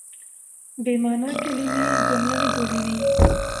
بې مانا کیلمې جمله نه جوړوي.